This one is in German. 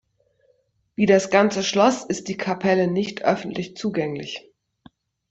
Wie das ganze Schloss ist die Kapelle nicht öffentlich zugänglich.